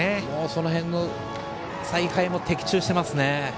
その辺の采配も的中していますね。